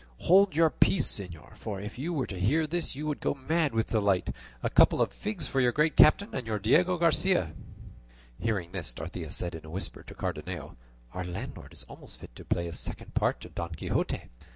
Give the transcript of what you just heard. Hold your peace, señor; for if you were to hear this you would go mad with delight. A couple of figs for your Great Captain and your Diego Garcia!" Hearing this Dorothea said in a whisper to Cardenio, "Our landlord is almost fit to play a second part to Don Quixote."